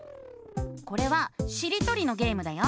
これはしりとりのゲームだよ。